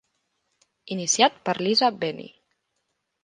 Iniciat per Lisa Bennie.